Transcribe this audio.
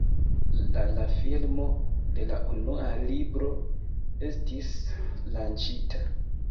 La la filmo de la unua libro estis lanĉita.